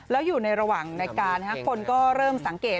แล้วอยู่ในระหว่างในการคนก็เริ่มสังเกต